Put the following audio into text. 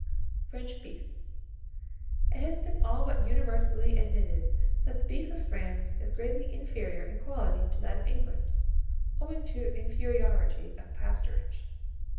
FRENCH BEEF. It has been all but universally admitted, that the beef of France is greatly inferior in quality to that of England, owing to inferiority of pasturage.